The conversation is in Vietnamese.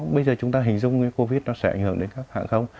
bây giờ chúng ta hình dung covid sẽ ảnh hưởng đến các hàng không